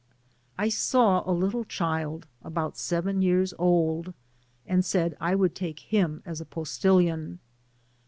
I saw a little child about seven years old, and said I would take him as a postilion.